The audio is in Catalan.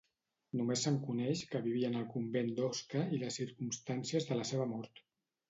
Només se'n coneix que vivien al convent d'Osca i les circumstàncies de la seva mort.